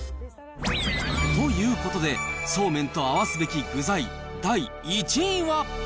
ということで、そうめんと合わすべき具材第１位は。